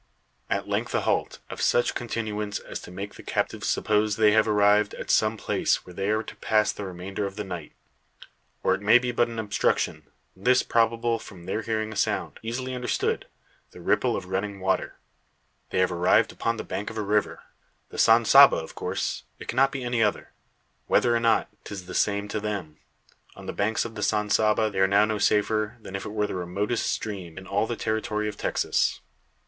At length a halt; of such continuance, as to make the captives suppose they have arrived at some place where they are to pass the remainder of the night. Or it may be but an obstruction; this probable from their hearing a sound, easily understood the ripple of running water. They have arrived upon the bank of a river. The San Saba, of course; it cannot be any other. Whether or not, 'tis the same to them. On the banks of the San Saba they are now no safer, than if it were the remotest stream in all the territory of Texas.